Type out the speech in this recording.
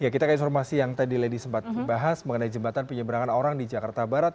kita ke informasi yang tadi lady sempat bahas mengenai jembatan penyeberangan orang di jakarta barat